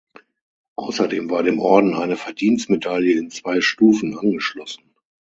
Außerdem war dem Orden eine Verdienstmedaille in zwei Stufen angeschlossen.